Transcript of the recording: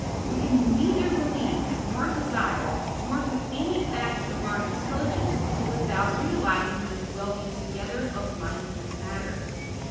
We can neither believe, nor desire, nor do any act of our intelligence without realising this welding together of mind and matter.